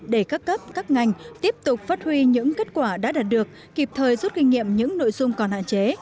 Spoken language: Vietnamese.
để các cấp các ngành tiếp tục phát huy những kết quả đã đạt được kịp thời rút kinh nghiệm những nội dung còn hạn chế